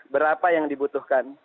berapa yang dibutuhkan